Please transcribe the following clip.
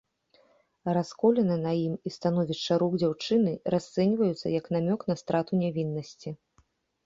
Расколіна на ім і становішча рук дзяўчыны расцэньваюцца як намёк на страту нявіннасці.